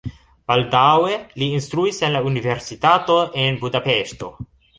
Baldaŭe li instruis en la universitato en Budapeŝto.